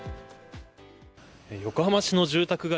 横浜市の住宅街